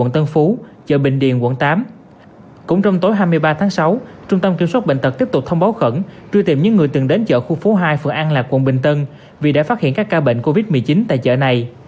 cũng trong tối hai mươi ba tháng sáu trung tâm kiểm soát bệnh tật tiếp tục thông báo khẩn truy tìm những người từng đến chợ khu phố hai phường an lạc quận bình tân vì đã phát hiện các ca bệnh covid một mươi chín tại chợ này